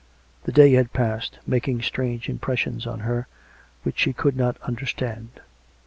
The day had passed, making strange impressions on her, which she could not understand.